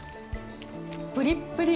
プリップリ！